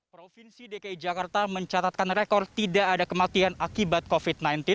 provinsi dki jakarta mencatatkan rekor tidak ada kematian akibat covid sembilan belas